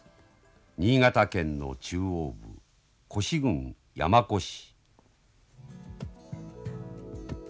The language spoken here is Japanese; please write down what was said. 新潟県の中央部古志郡山古志。